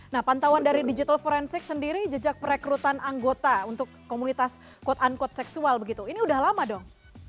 nah pantauan dari digital forensics sendiri jejak perekrutan anggota untuk komunitas kode uncode seksual begitu ini udah lama dong